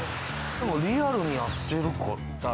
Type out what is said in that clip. でもリアルにやってるから。